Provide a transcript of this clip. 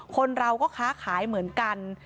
คนเราก็ค้าขายเหมือนกัน